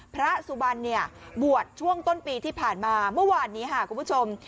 พระสุบันเนี่ยบวชช่วงต้นปีที่ผ่านมาเมื่อวานนี้ค่ะคุณผู้ชม